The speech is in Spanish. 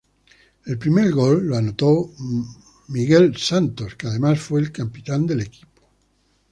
El primer gol, lo anotó Michael Santos, que además fue el capitán del equipo.